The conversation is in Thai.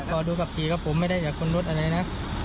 รอดูขับขี่ก็ผมไม่ได้จากคนรถอะไรนะ